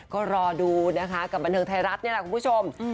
ก็รอดูนะคะกับบันเทิงไทยรัฐนี่แหละคุณผู้ชม